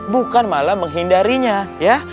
bukan malah menghindarinya ya